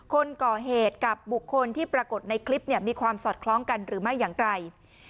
คนก่อเหตุกับบุคคลที่ปรากฏในคลิปเนี่ยมีความสอดคล้องกันหรือไม่อย่างไร